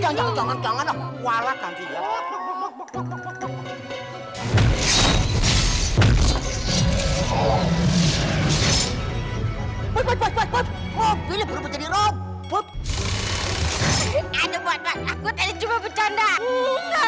b bot bobot aduh lagi aku tadi cuma bercanda